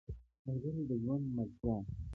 ملګری د ژوند ملتیا ده